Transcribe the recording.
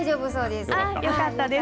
よかったです。